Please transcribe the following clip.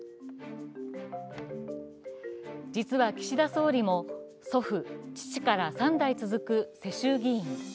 実は岸田総理も、祖父、父から３代続く世襲議員。